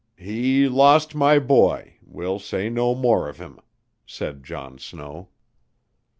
"He lost my boy we'll say no more of him," said John Snow.